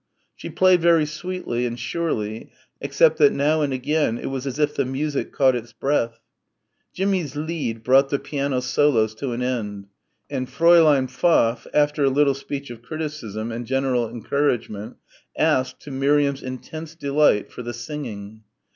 She played very sweetly and surely except that now and again it was as if the music caught its breath. Jimmie's Lied brought the piano solos to an end, and Fräulein Pfaff after a little speech of criticism and general encouragement asked, to Miriam's intense delight, for the singing.